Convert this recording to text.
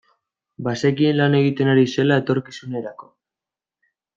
Bazekien lan egiten ari zela etorkizunerako.